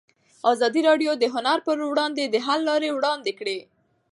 ازادي راډیو د هنر پر وړاندې د حل لارې وړاندې کړي.